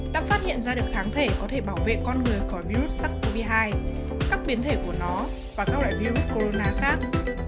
đã phát hiện ra được kháng thể có thể bảo vệ con người khỏi virus sars cov hai các biến thể của nó và các loại virus corona khác